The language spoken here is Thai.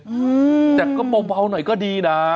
อืมแต่ก็เบาหน่อยก็ดีนะ